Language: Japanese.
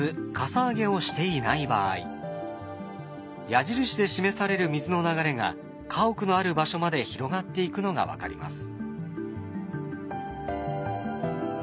矢印で示される水の流れが家屋のある場所まで広がっていくのが分かります。